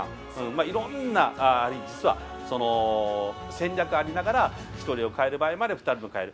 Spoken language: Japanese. いろんな戦略がありながら１人を代える場合もあり２人を代える。